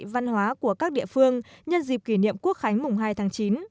văn hóa của các địa phương nhân dịp kỷ niệm quốc khánh mùng hai tháng chín